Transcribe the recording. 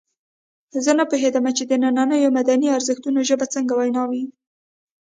زه نه پوهېږم چې د نننیو مدني ارزښتونو ژبه څنګه وینا وي.